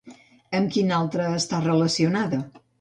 Amb quina altra està relacionada?